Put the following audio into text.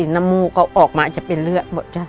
น้ำมูกเขาออกมาจะเป็นเลือดหมดจ้ะ